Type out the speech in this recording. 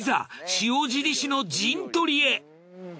塩尻市の陣取りへ。